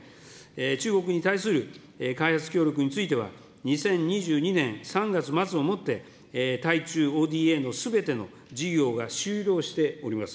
中国に対する開発協力については、２０２２年３月末をもって対中ＯＤＡのすべての事業が終了しております。